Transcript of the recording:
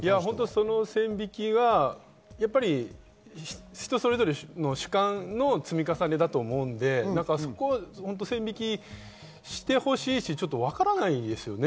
線引きは人それぞれの主観の積み重ねだと思うので、線引きしてほしいし、ちょっとわからないですよね